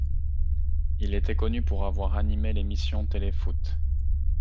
Il était connu pour avoir animer l’émission télé foot.